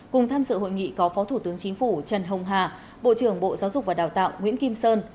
cùng tham dự hội nghị có phó thủ tướng chính phủ trần hồng hà bộ trưởng bộ giáo dục và đào tạo nguyễn kim sơn